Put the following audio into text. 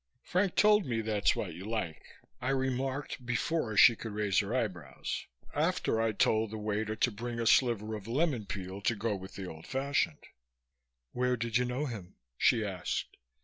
"Frank told me that's what you like," I remarked, before she could raise her eyebrows after I told the waiter to bring a sliver of lemon peel to go with the old fashioned. "Where did you know him?" she asked.